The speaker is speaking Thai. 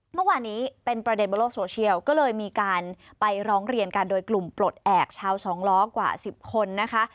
เมื่อวานนี้เป็นประเด็นบนโลกโซเชียลก็เลยมีการไปร้องเรียนกันโดยกลุ่มปลดแอบชาวสองล้อกว่า๑๐คนนะคะ